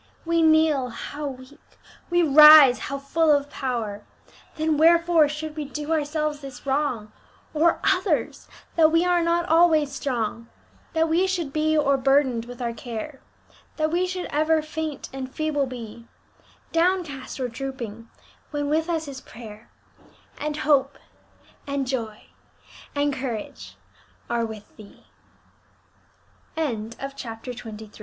We kneel how weak! we rise how full of power! Then wherefore should we do ourselves this wrong, Or others, that we are not always strong; That we should be o'erburdened with our care, That we should ever faint and feeble be, Downcast or drooping, when with us is prayer, And hope, and joy, and courage are with Thee?" CHAPTER XXIV. A MISTAKE.